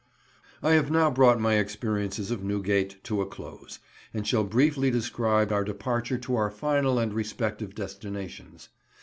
I have now brought my experiences of Newgate to a close, and shall briefly describe our departure to our final and respective destinations.